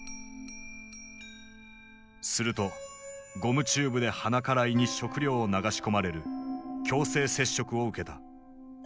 するとゴムチューブで鼻から胃に食料を流し込まれる強制摂食を受けた。